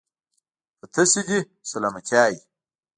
په تاسو دې سلامتيا وي.